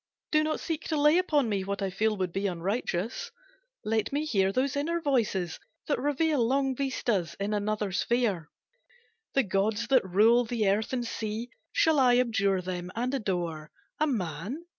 Do not seek To lay upon me what I feel Would be unrighteous. Let me hear Those inner voices that reveal Long vistas in another sphere. "The gods that rule the earth and sea, Shall I abjure them and adore A man?